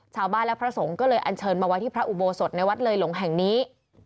ชาวบ้านและพระสงฆ์ก็เลยอันเชิญมาไว้ที่พระอุโบสถในวัดเลยหลงแห่งนี้